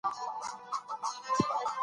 د بې کیفیته توکو د وارداتو مخنیوی اړین دی.